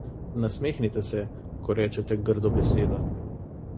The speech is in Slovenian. Nasmehnite se, ko rečete grdo besedo.